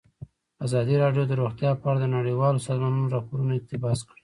ازادي راډیو د روغتیا په اړه د نړیوالو سازمانونو راپورونه اقتباس کړي.